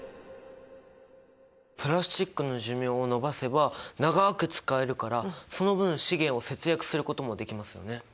プラスチックの寿命を延ばせば長く使えるからその分資源を節約することもできますよね。